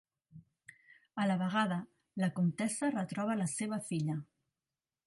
A la vegada, la comtessa retroba la seva filla.